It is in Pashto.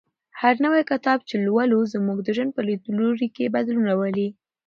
هر نوی کتاب چې لولو زموږ د ژوند په لیدلوري کې بدلون راولي.